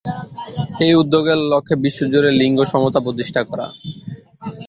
এই উদ্যোগের লক্ষ্য বিশ্বজুড়ে লিঙ্গ সমতা প্রতিষ্ঠা করা।